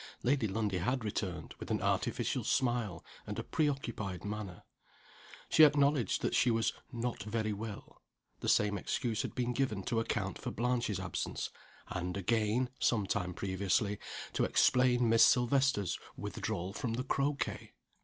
Lady Lundie had returned with an artificial smile, and a preoccupied manner. She acknowledged that she was "not very well." The same excuse had been given to account for Blanche's absence and, again (some time previously), to explain Miss Silvester's withdrawal from the croquet!